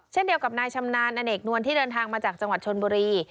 เช่นเดียวกับนายชำนาญอเนกนวลที่เดินทางมาจากจังหวัดชนบุรี